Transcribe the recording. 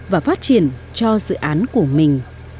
và phát triển cho dự án này